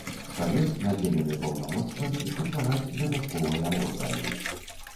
Савет надзелены паўнамоцтвамі ўтвараць дадатковыя органы.